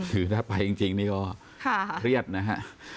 คือถ้าไปจริงนี่ก็เครียดนะฮะ